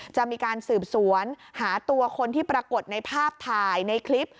จะมีการสืบสวนหาตัวคนที่ปรากฏในภาพถ่ายในคลิป